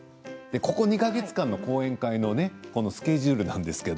ここ２か月間の講演会のスケジュールです。